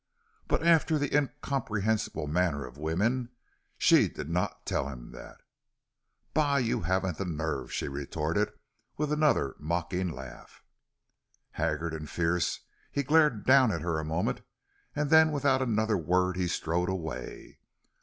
But after the incomprehensible manner of woman, she did not tell him that. "Bah! You haven't the nerve!" she retorted, with another mocking laugh. Haggard and fierce, he glared down at her a moment, and then without another word he strode away.